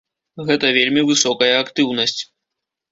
Гэта вельмі высокая актыўнасць.